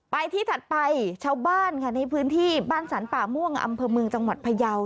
ไปที่ถัดไปชาวบ้านค่ะในพื้นที่บ้านสรรป่าม่วงอำเภอเมืองจังหวัดพยาว